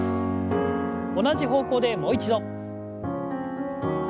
同じ方向でもう一度。